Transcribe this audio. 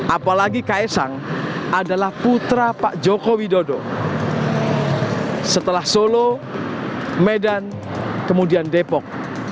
apalagi kaisang adalah putra pak joko widodo setelah solo medan kemudian depok